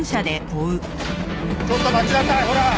ちょっと待ちなさいほら！